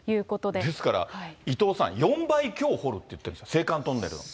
ですから、伊藤さん、４倍強掘るって言ってるんです、青函トンネルの。